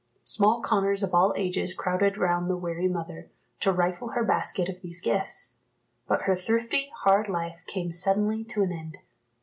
Small Connors of all ages crowded round the weary mother, to rifle her basket of these gifts. But her thrifty, hard life came suddenly to an end.